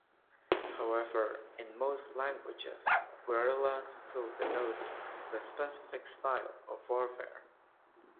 However, in most languages "guerrilla" still denotes the specific style of warfare.